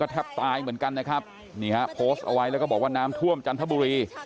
แทบตายเหมือนกันนะครับนี่ฮะโพสต์เอาไว้แล้วก็บอกว่าน้ำท่วมจันทบุรี